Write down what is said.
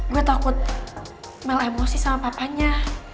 gue takut malah emosi sama papanya